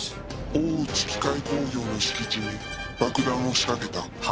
「大内機械工業の敷地に爆弾を仕掛けた」は？